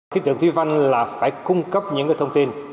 khí tượng thủy văn là phải cung cấp những thông tin